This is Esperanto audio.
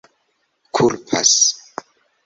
kulpas